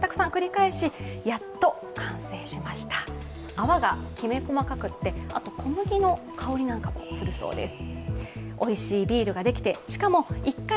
泡がきめ細かくて、あと、小麦の香りなんかもするそうです。